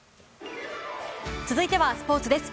続いてはスポーツです。